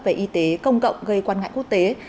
về y tế công cộng gây quan ngại quốc tế